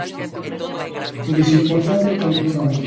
A desigualdade é brutal.